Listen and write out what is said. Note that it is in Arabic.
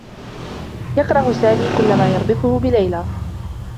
يكره سامي كلّ ما يربطه بليلى.